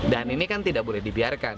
dan ini kan tidak boleh dibiarkan